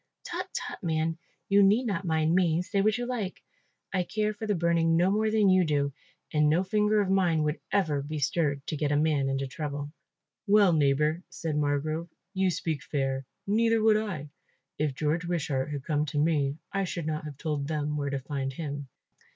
"Tut, tut, man, you need not mind me, say what you like. I care for the burning no more than you do and no finger of mine would ever be stirred to get a man into trouble." "Well, neighbour," said Margrove, "you speak fair, neither would I. If George Wishart had come to me I should not have told them where to find him."